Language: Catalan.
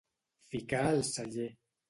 Ficar al celler.